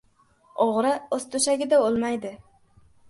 • O‘g‘ri o‘z to‘shagida o‘lmaydi.